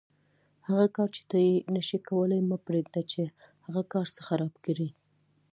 هغه کار چې ته یې نشې کولای مه پرېږده چې هغه څه خراب کړي.